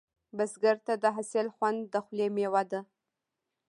بزګر ته د حاصل خوند د خولې میوه ده